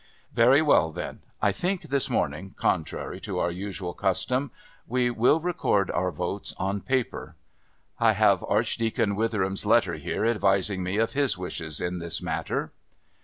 "Very well, then. I think this morning, contrary to our usual custom, we will record our votes on paper. I have Archdeacon Witheram's letter here advising me of his wishes in this matter."